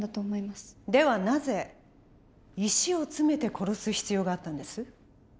ではなぜ石を詰めて殺す必要があったんです？